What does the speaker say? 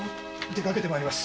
出かけて参ります。